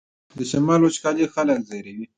د شمال وچکالي خلک ځوروي